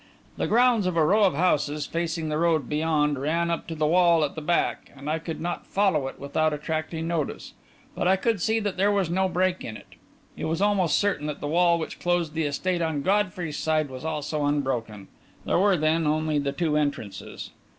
The grounds of a row of houses facing the road beyond ran up to the wall at the back, and I could not follow it without attracting notice, but I could see that there was no break in it. I was almost certain that the wall which closed the estate on Godfrey's side was also unbroken. There were, then, only the two entrances.